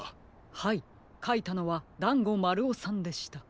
はいかいたのはだんごまるおさんでした。